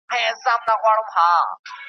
د مشاعرې مشر، ارواښاد سېلاب ساپي .